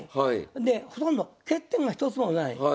でほとんど欠点が一つもない。